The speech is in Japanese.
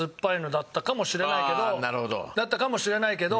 だったかもしれないけど。